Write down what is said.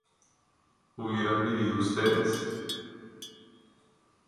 ¿hubieran vivido ustedes?